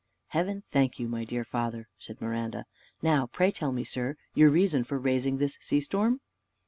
"Heaven thank you, my dear father," said Miranda. "Now pray tell me, sir, your reason for raising this sea storm?"